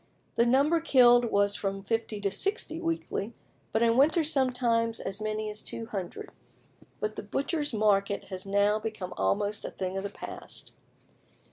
The number killed was from 50 to 60 weekly but in winter sometimes as many as 200. But the butchers' market has now become almost a thing of the past.